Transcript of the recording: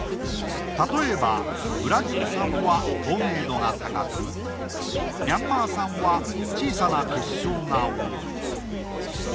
たとえばブラジル産は透明度が高くミャンマー産は小さな結晶が多い。